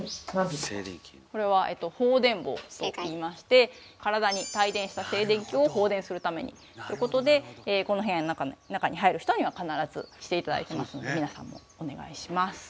これは「放電棒」といいまして体に帯電した静電気を放電するためにってことでこの部屋の中に入る人には必ずして頂いてますので皆さんもお願いします。